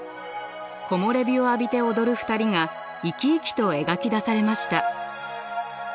木漏れ日を浴びて踊る２人が生き生きと描き出されました。